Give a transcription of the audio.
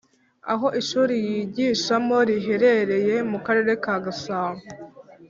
aho ishuri yigishamo riherereye mu karere ka gasabo